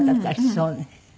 そうね。